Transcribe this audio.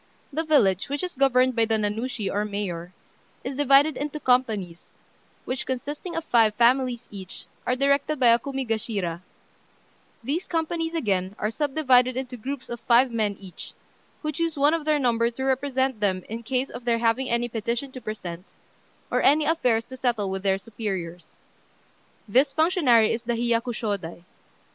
The village, which is governed by the Nanushi, or mayor, is divided into companies, which, consisting of five families each, are directed by a Kumigashira; these companies, again, are subdivided into groups of five men each, who choose one of their number to represent them in case of their having any petition to present, or any affairs to settle with their superiors. This functionary is the Hiyakushôdai.